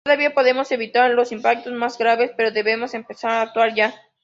Todavía podemos evitar los impactos más graves, pero debemos empezar a actuar ya.